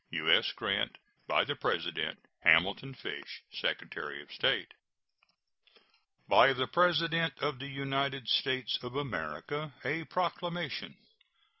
U.S. GRANT. By the President: HAMILTON FISH, Secretary of State. BY THE PRESIDENT OF THE UNITED STATES OF AMERICA. A PROCLAMATION.